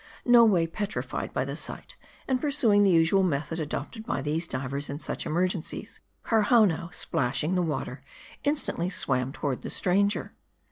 No way petrified by the sight, and pursuing the usual method adopted by these divers in such emergen cies, Karhownoo, splashing the water, instantly swam toward the stranger.